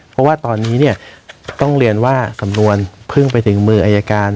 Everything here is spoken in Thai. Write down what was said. เพราะว่าตอนนี้เนี่ยต้องเรียนว่าสำนวนเพิ่งไปถึงมืออายการ